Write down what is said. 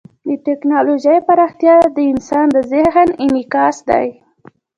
د ټیکنالوژۍ پراختیا د انسان د ذهن انعکاس دی.